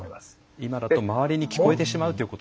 今だと周りに聞こえてしまうということですよね。